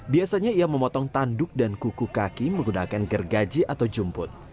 biasanya ia memotong tanduk dan kuku kaki menggunakan gergaji atau jumput